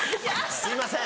・すいません！